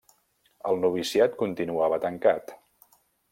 El noviciat continuava tancat.